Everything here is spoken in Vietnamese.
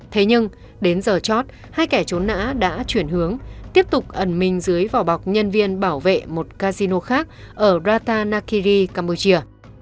thế nhưng đến giờ chót hai kẻ trốn nã đã chuyển hướng tiếp tục ẩn mình dưới vỏ bọc nhân viên bảo vệ một casino khác ở rata nakiri campuchia